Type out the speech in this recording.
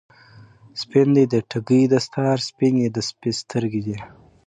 سپین دی د ټګۍ دستار، سپینې د سپي سترګی دي